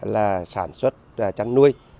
là sản xuất chăn nuôi